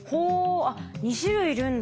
あっ２種類いるんだ。